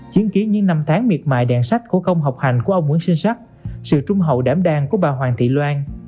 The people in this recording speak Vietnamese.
chiến ký những năm tháng miệt mại đạn sách của công học hành của ông nguyễn sinh sắc sự trung hậu đảm đang của bà hoàng thị loan